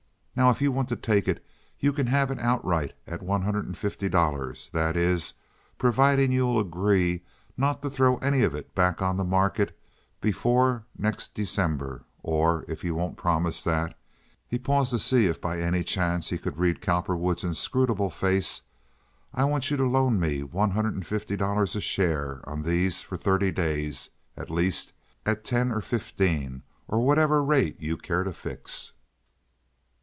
Now, if you want to take it you can have it outright at one hundred and fifty dollars—that is, providing you'll agree not to throw any of it back on the market before next December; or, if you won't promise that" (he paused to see if by any chance he could read Cowperwood's inscrutable face) "I want you to loan me one hundred and fifty dollars a share on these for thirty days at least at ten or fifteen, or whatever rate you care to fix."